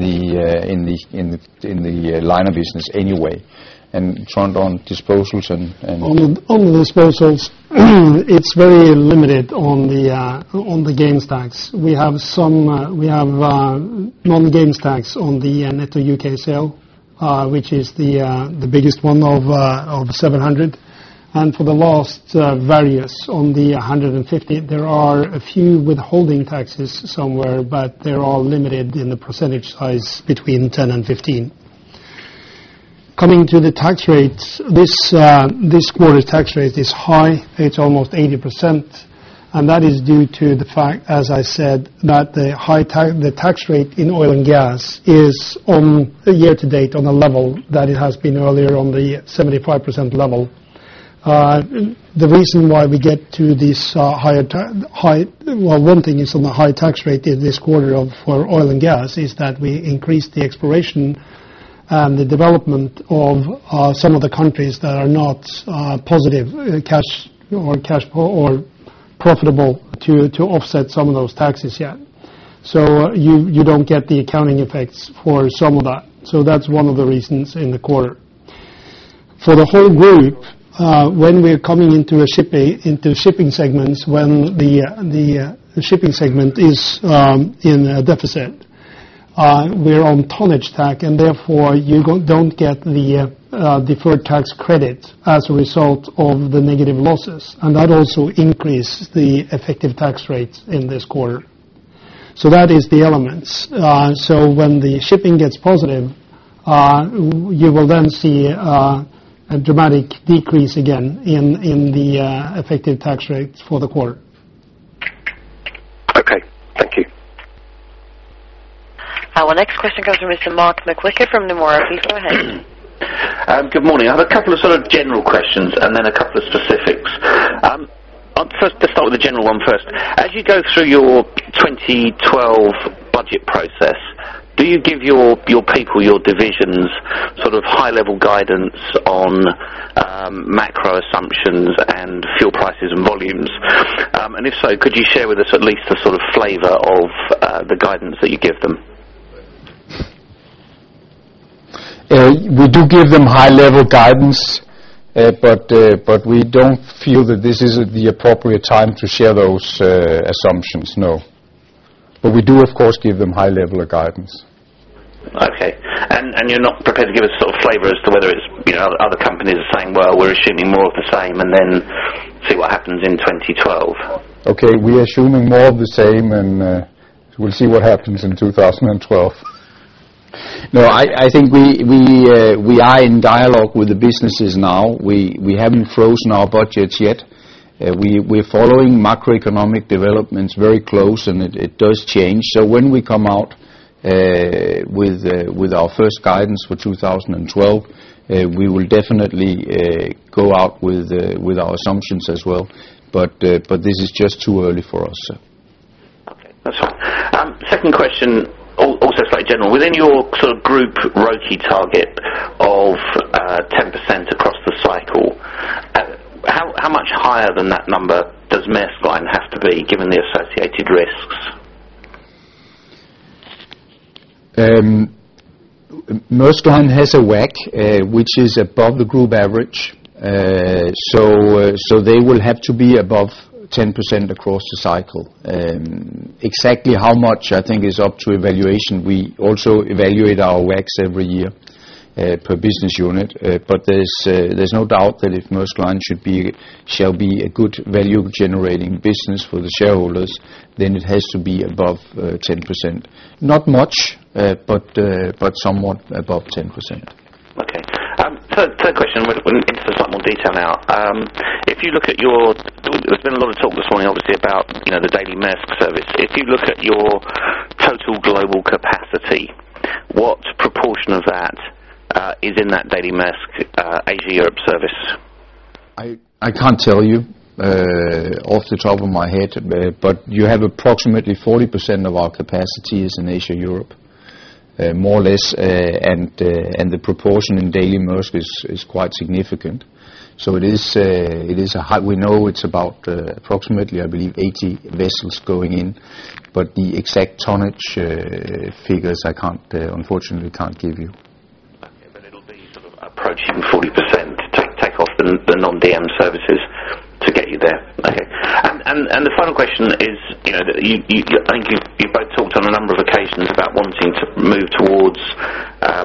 the liner business anyway. Trond, on disposals and- On the disposals, it's very limited on the gains tax. We have some non-gains tax on the Netto U.K. sale, which is the biggest one of $700. For the last various on the 150, there are a few withholding taxes somewhere, but they're all limited in the percentage size between 10% and 15%. Coming to the tax rates, this quarter tax rate is high. It's almost 80%, and that is due to the fact, as I said, that the tax rate in oil and gas is on a year-to-date on a level that it has been earlier on the 75% level. The reason why we get to this higher. Well, one thing is on the high tax rate in this quarter for oil and gas is that we increased the exploration and the development of some of the countries that are not positive, cash positive or profitable to offset some of those taxes yet. You don't get the accounting effects for some of that. That's one of the reasons in the quarter. For the whole group, when we're coming into shipping segments, when the shipping segment is in a deficit, we're on tonnage tax, and therefore you don't get the deferred tax credit as a result of the negative losses. That also increase the effective tax rates in this quarter. That is the elements. When the shipping gets positive, you will then see a dramatic decrease again in the effective tax rates for the quarter. Okay. Thank you. Our next question comes from Mr. Mark McVicar from Nomura. Please go ahead. Good morning. I have a couple of sort of general questions and then a couple of specifics. I'll first start with the general one first. As you go through your 2012 budget process, do you give your people, your divisions sort of high-level guidance on, macro assumptions and fuel prices and volumes? If so, could you share with us at least the sort of flavor of, the guidance that you give them? We do give them high level guidance. We don't feel that this is the appropriate time to share those assumptions. No. We do, of course, give them high level of guidance. Okay. You're not prepared to give us sort of flavor as to whether it's, you know, other companies are saying, "Well, we're assuming more of the same, and then see what happens in 2012. Okay. We're assuming more of the same and we'll see what happens in 2012. No, I think we are in dialogue with the businesses now. We haven't frozen our budgets yet. We're following macroeconomic developments very close, and it does change. When we come out with our first guidance for 2012, we will definitely go out with our assumptions as well. This is just too early for us. Okay. That's fine. Second question, also slightly general. Within your sort of group ROIC target of 10% across the cycle, how much higher than that number does Maersk Line have to be given the associated risks? Maersk Line has a WACC which is above the group average. They will have to be above 10% across the cycle. Exactly how much I think is up to evaluation. We also evaluate our WACCs every year per business unit. There's no doubt that if Maersk Line shall be a good value-generating business for the shareholders, then it has to be above 10%. Not much, but somewhat above 10%. Okay. Third question, we'll enter into some more detail now. There's been a lot of talk this morning, obviously, about, you know, the Daily Maersk service. If you look at your total global capacity, what proportion of that is in that Daily Maersk Asia-Europe service? I can't tell you off the top of my head, but you have approximately 40% of our capacity is in Asia-Europe, more or less. The proportion in Daily Maersk is quite significant. It is a high. We know it's about approximately, I believe, 80 vessels going in, but the exact tonnage figures I can't unfortunately give you. Okay. But it'll be sort of approaching 40%. Take off the non-DM services to get you there. Okay. The final question is, you know, you I think you've both talked on a number of occasions about wanting to move towards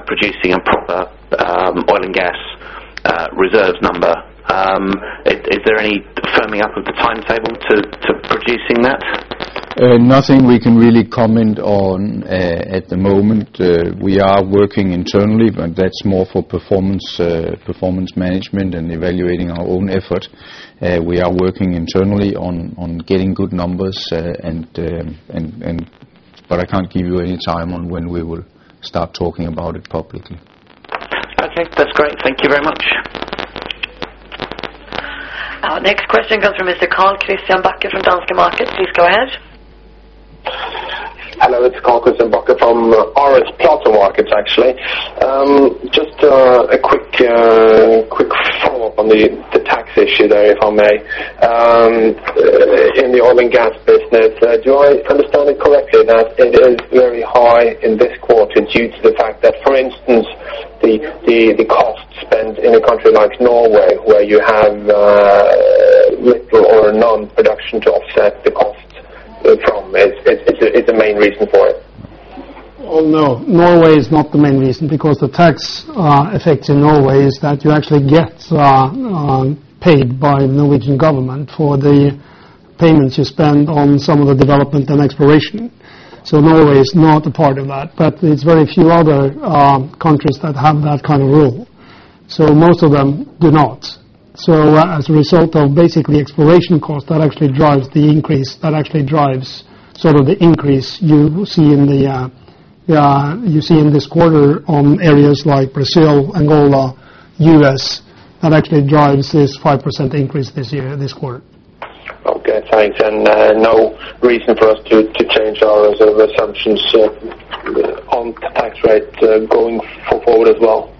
producing a proper oil and gas reserves number. Is there any firming up of the timetable to producing that? Nothing we can really comment on at the moment. We are working internally, but that's more for performance management and evaluating our own effort. We are working internally on getting good numbers and. I can't give you any time on when we will start talking about it publicly. Okay. That's great. Thank you very much. Our next question comes from Mr. Carl Christian Bakke from Danske Markets. Please go ahead. Hello, it's Carl Christian Bakke from RS Platou Markets, actually. Just a quick follow-up on the tax issue there, if I may. In the oil and gas business, do I understand it correctly that it is very high in this quarter due to the fact that, for instance, the cost spent in a country like Norway, where you have Little or no production to offset the costs from. It's the main reason for it. Oh, no. Norway is not the main reason because the tax effects in Norway is that you actually get paid by Norwegian government for the payments you spend on some of the development and exploration. Norway is not a part of that. There's very few other countries that have that kind of rule. Most of them do not. As a result of basically exploration costs, that actually drives sort of the increase you see in this quarter on areas like Brazil, Angola, U.S., that actually drives this 5% increase this year, this quarter. Okay, thanks. No reason for us to change our sort of assumptions on the tax rate going forward as well?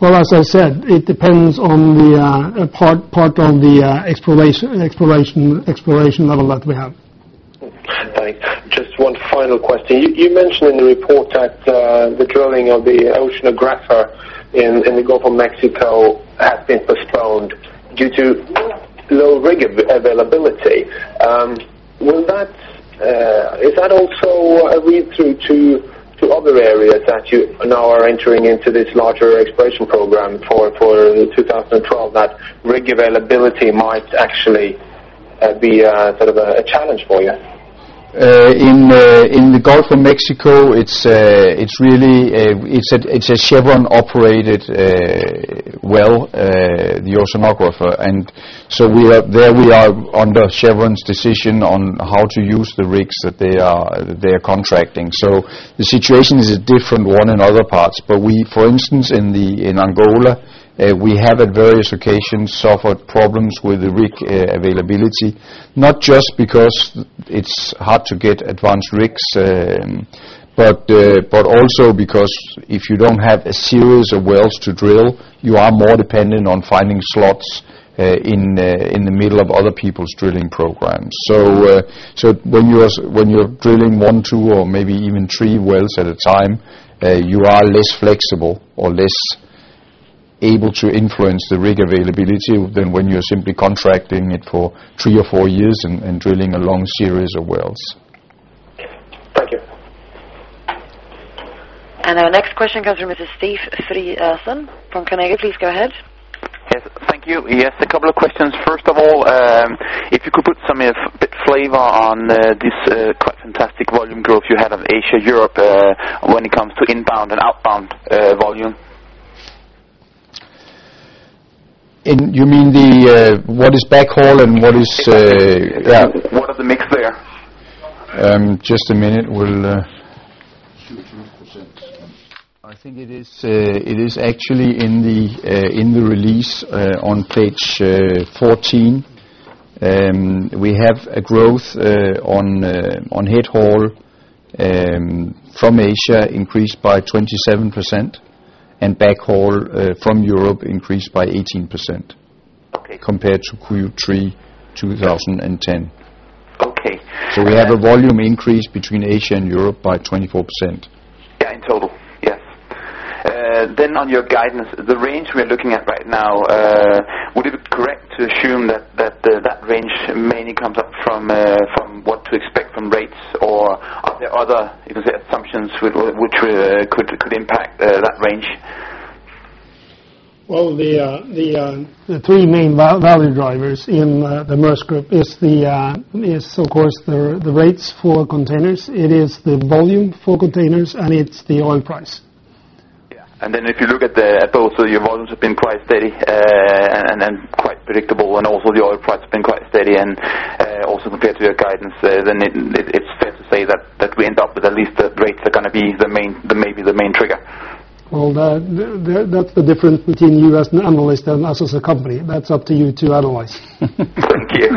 Well, as I said, it depends on the part of the exploration level that we have. Thanks. Just one final question. You mentioned in the report that the drilling of the Oceanographer in the Gulf of Mexico has been postponed due to low rig availability. Is that also a read-through to other areas that you now are entering into this larger exploration program for 2012, that rig availability might actually be sort of a challenge for you? In the Gulf of Mexico, it's a Chevron-operated well, the Oceanographer. We are under Chevron's decision on how to use the rigs that they are contracting. The situation is a different one in other parts. We, for instance, in Angola, have at various occasions suffered problems with the rig availability, not just because it's hard to get advanced rigs, but also because if you don't have a series of wells to drill, you are more dependent on finding slots in the middle of other people's drilling programs. When you're drilling one, two, or maybe even three wells at a time, you are less flexible or less able to influence the rig availability than when you're simply contracting it for three or four years and drilling a long series of wells. Thank you. Our next question comes from Mr. Stig Frederiksen from Carnegie. Please go ahead. Yes, thank you. Yes, a couple of questions. First of all, if you could put some, a bit flavor on, this, quite fantastic volume growth you had on Asia-Europe, when it comes to inbound and outbound, volume. You mean what is backhaul and what is? Exactly. What are the mix there? Just a minute. 22%. I think it is actually in the release on page 14. We have a growth on headhaul from Asia increased by 27% and backhaul from Europe increased by 18%. Okay. compared to Q3 2010. Okay. We have a volume increase between Asia and Europe by 24%. Yeah, in total. Yes. On your guidance, the range we're looking at right now, would it be correct to assume that range mainly comes up from what to expect from rates? Or are there other, you could say, assumptions which could impact that range? Well, the three main value drivers in the Maersk Group is of course the rates for containers, it is the volume for containers, and it's the oil price. Yeah. If you look at those, your volumes have been quite steady, and quite predictable, and also the oil price has been quite steady. Also compared to your guidance, it's fair to say that we end up with at least the rates are gonna be the main, maybe the main trigger. Well, that's the difference between you as an analyst and us as a company. That's up to you to analyze. Thank you.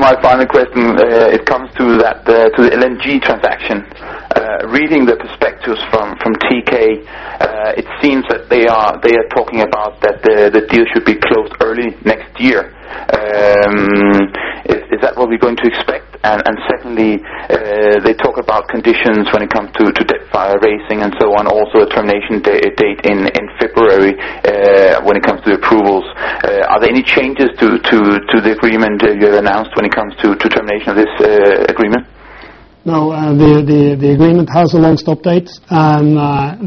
My final question comes to the LNG transaction. Reading the prospectus from Teekay, it seems that they are talking about that the deal should be closed early next year. Is that what we're going to expect? Secondly, they talk about conditions when it comes to debt financing raising and so on, also a termination date in February when it comes to approvals. Are there any changes to the agreement you have announced when it comes to termination of this agreement? No. The agreement has a launch date, and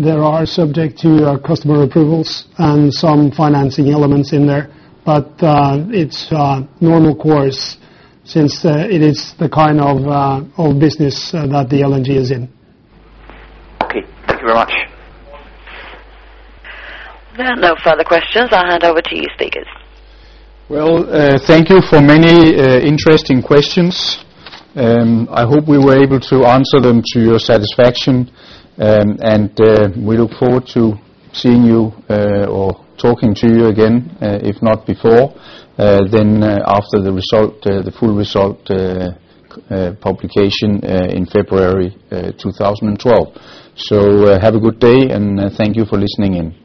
they're subject to customer approvals and some financing elements in there. It's normal course since it is the kind of business that the LNG is in. Okay. Thank you very much. There are no further questions. I'll hand over to you, speakers. Well, thank you for many interesting questions, and I hope we were able to answer them to your satisfaction. We look forward to seeing you or talking to you again, if not before, then after the full result publication in February 2012. Have a good day, and thank you for listening in.